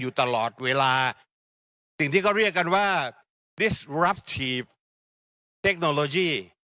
อยู่ตลอดเวลาสิ่งที่เขาเรียกกันว่าดิสรับทีฟเทคโนโลยี